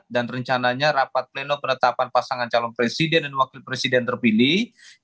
dan rencananya rapat pleno penetapan pasangan calon presiden dan wakil presiden terpilih